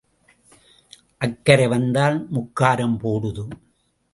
அக்கரை வந்து முக்காரம் போடுது,